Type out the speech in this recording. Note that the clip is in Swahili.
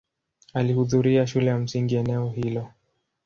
Alihudhuria shule ya msingi eneo hilo.